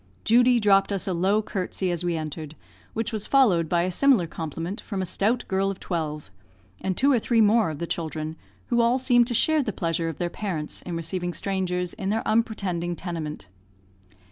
Judy dropped us a low curtsey as we entered, which was followed by a similar compliment from a stout girl of twelve, and two or three more of the children, who all seemed to share the pleasure of their parents in receiving strangers in their unpretending tenement.